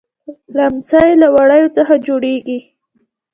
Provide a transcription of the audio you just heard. ليمڅی له وړيو څخه جوړيږي.